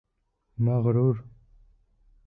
Мәғрур!